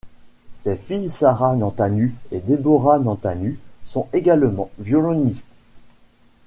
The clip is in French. Ses filles Sarah Nemtanu et Deborah Nemtanu sont également violonistes.